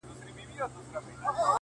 د وجود غړي د هېواد په هديره كي پراته’